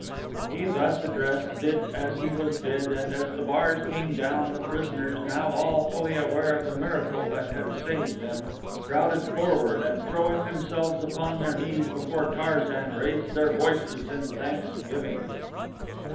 He thus addressed did as he was bid and as the bars came down the prisoners, now all fully aware of the miracle that had saved them, crowded forward and throwing themselves upon their knees before Tarzan raised their voices in thanksgiving.